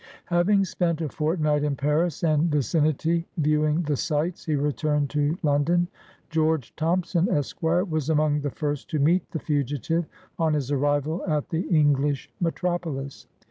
Having spent a fortnight in Paris and vicinity, viewing the sights, he returned to London. George Thompson, Esq., was among the first to meet the fugi tive on his arrival at the English metropolis.